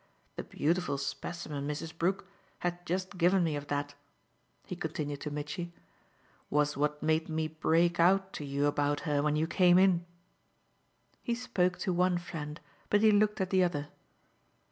The beautiful specimen Mrs. Brook had just given me of that," he continued to Mitchy, "was what made me break out to you about her when you came in." He spoke to one friend, but he looked at the other.